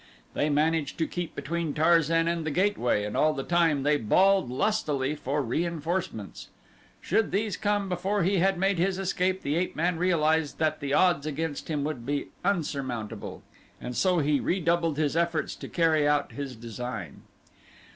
They managed to keep between Tarzan and the gateway and all the time they bawled lustily for reinforcements. Should these come before he had made his escape the ape man realized that the odds against him would be unsurmountable, and so he redoubled his efforts to carry out his design.